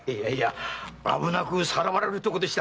危なくさらわれるとこでした。